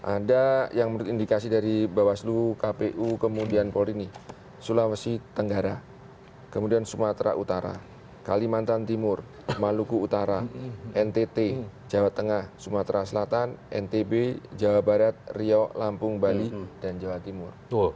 ada yang menurut indikasi dari bawaslu kpu kemudian polri sulawesi tenggara kemudian sumatera utara kalimantan timur maluku utara ntt jawa tengah sumatera selatan ntb jawa barat riau lampung bali dan jawa timur